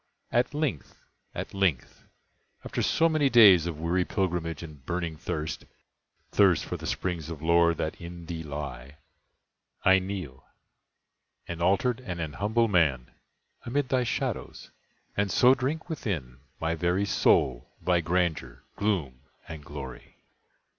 At length—at length—after so many days Of weary pilgrimage and burning thirst, (Thirst for the springs of lore that in thee lie,) I kneel, an altered and an humble man, Amid thy shadows, and so drink within My very soul thy grandeur, gloom, and glory!